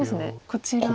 こちら。